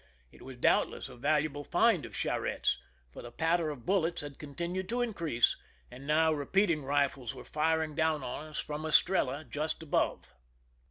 It was doubt less a valuable find of Charette's, for the patter of bullets had continued to increase, and now repeat ing rifles were firing down on us from Estrella, just above.